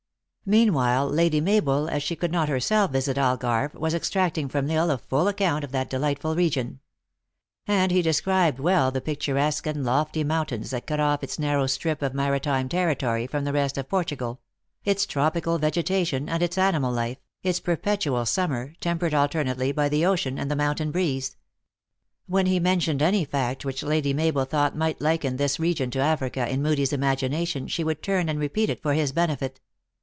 Meanwhile, Lady Mabel, as she could not herself visit Algarve, was extracting from L Isle a full account of that delightful region. And he described well the picturesque and lofty mountains that cut off its nar row strip of maritime territory from the rest of Port ugal ; its tropical vegetation and its animal life, its perpetual summer, tempered alternately by the ocean and the mountain breeze. When he mentioned any fact which Lady Mabel thought might liken this re gion to Africa in Moodie s imagination, hhe would turn and repeat it for his benefit.